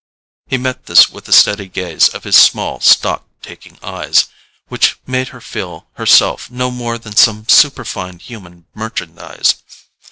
He met this with a steady gaze of his small stock taking eyes, which made her feel herself no more than some superfine human merchandise.